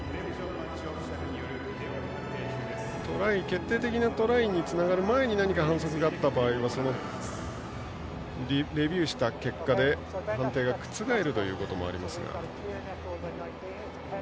決定的なトライにつながる前に反則があった場合はレビューした結果で判定が覆るということもありますが。